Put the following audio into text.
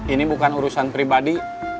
ini bukan urusan pribadi